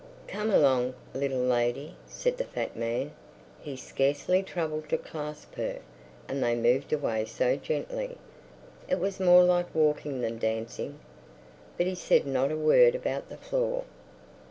"Come along, little lady," said the fat man. He scarcely troubled to clasp her, and they moved away so gently, it was more like walking than dancing. But he said not a word about the floor.